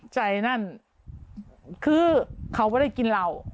ใจนั่นคือเขาไม่ได้กินเหล้า